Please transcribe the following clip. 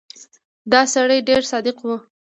دا سړی ډېر صادق و.